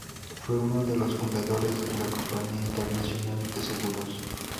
Fue uno de los fundadores de la Compañía Internacional de Seguros.